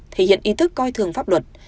thể hiện ý thức coi thường pháp luật